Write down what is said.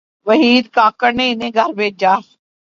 وحید کاکڑ نے انہیں گھر بھیجا۔